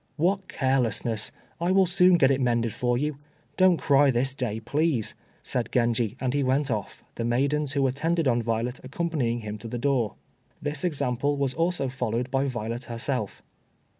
"What carelessness! I will soon get it mended for you. Don't cry this day, please," said Genji, and he went off, the maidens who attended on Violet accompanying him to the door. This example was also followed by Violet herself.